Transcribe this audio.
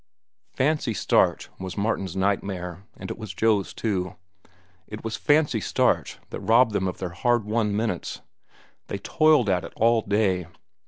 "Fancy starch" was Martin's nightmare, and it was Joe's, too. It was "fancy starch" that robbed them of their hard won minutes. They toiled at it all day.